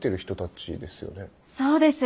そうです。